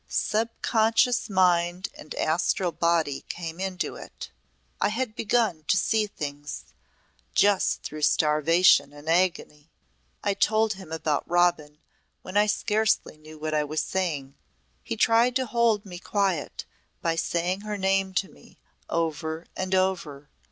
Subconscious mind and astral body came into it. I had begun to see things just through starvation and agony. I told him about Robin when I scarcely knew what I was saying. He tried to hold me quiet by saying her name to me over and over.